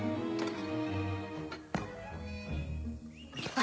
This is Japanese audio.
あ？